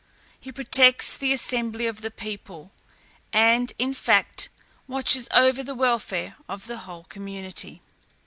He protects the assembly of the people, and, in fact, watches over the welfare of the whole community.